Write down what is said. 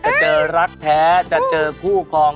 จะเจอรักแท้จะเจอคู่ครอง